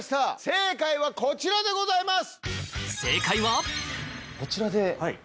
正解はこちらでございます。